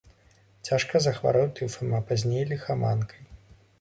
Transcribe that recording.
Цяжка захварэў тыфам, а пазней ліхаманкай.